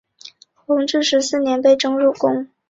弘治十四年被征入宫。